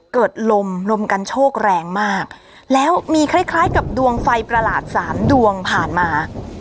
เกิดลมลมกันโชคแรงมากแล้วมีคล้ายคล้ายกับดวงไฟประหลาดสามดวงผ่านมา